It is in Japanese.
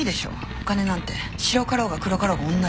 お金なんて白かろうが黒かろうが同じ。